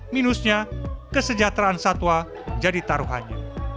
minusnya kesejahteraan satwa menjadi taruhannya